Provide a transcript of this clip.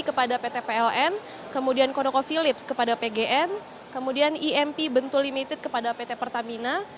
kepada pt pln kemudian kodoko philips kepada pgn kemudian imp bentul limited kepada pt pertamina